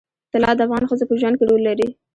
طلا د افغان ښځو په ژوند کې رول لري.